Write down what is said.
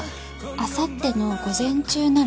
あさっての午前中なら。